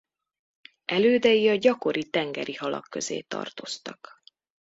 Elődei a gyakori tengeri halak közé tartoztak.